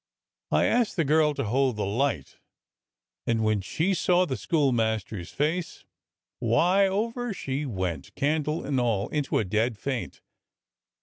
I asked the girl to hold the light, and when she saw the schoolmaster's face, why, over she went, candle and all, into a dead faint.